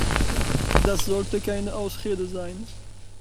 Das sollte keine Ausrede sein.